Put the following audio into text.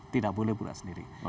tidak boleh berjalan sendiri